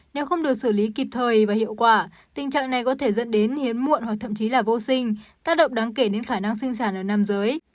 nếu không được xử lý kịp thời và hiệu quả tình trạng này có thể dẫn đến hiếm muộn hoặc thậm chí là vô sinh tác động đáng kể đến khả năng sinh sản ở nam giới